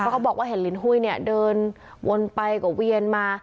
เขาบอกว่าเห็นหลีนหุ้ยเดินวนไปกลับเวียนมา